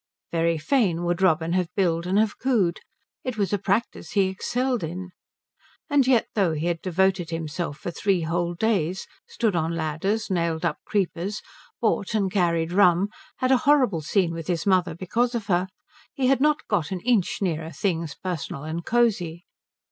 Very fain would Robin have billed and have cooed. It was a practice he excelled in. And yet though he had devoted himself for three whole days, stood on ladders, nailed up creepers, bought and carried rum, had a horrible scene with his mother because of her, he had not got an inch nearer things personal and cosy.